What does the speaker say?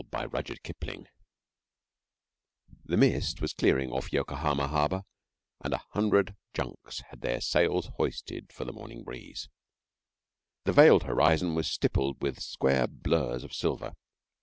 THE EDGE OF THE EAST The mist was clearing off Yokohama harbour and a hundred junks had their sails hoisted for the morning breeze, so that the veiled horizon was stippled with square blurs of silver.